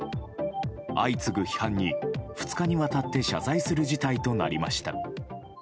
相次ぐ批判に２日にわたって謝罪する事態となりました。